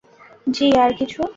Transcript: জী, আর কিছু?